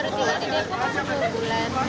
baru di depok kan dua bulan